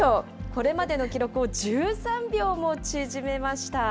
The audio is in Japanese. これまでの記録を１３秒も縮めました。